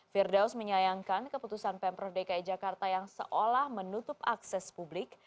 firdaus menyayangkan keputusan pemprov dki jakarta yang seolah menutup akses publik